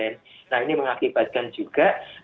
nah ini mengakibatkan juga